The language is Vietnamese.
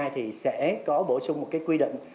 bảy mươi hai thì sẽ có bổ sung một cái quy định